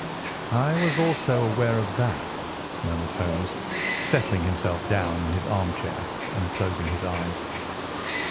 "I was also aware of that," murmured Holmes, settling himself down in his armchair and closing his eyes.